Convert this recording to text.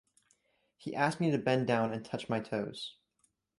He asked me to bend down and touch my toes.